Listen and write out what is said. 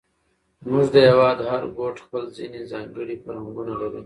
زموږ د هېواد هر ګوټ خپل ځېنې ځانګړي فرهنګونه لري،